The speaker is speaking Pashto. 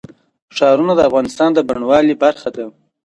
ښارونه د افغانستان د بڼوالۍ برخه ده.